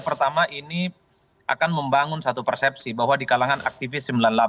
pertama ini akan membangun satu persepsi bahwa di kalangan aktivis sembilan puluh delapan